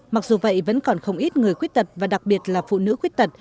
mặc dù vậy vẫn còn không ít người khuyết tật và đặc biệt là phụ nữ khuyết tật